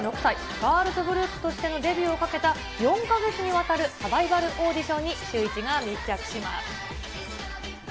ガールズグループとしてのデビューをかけた、４か月にわたるサバイバルオーディションにシューイチが密着しま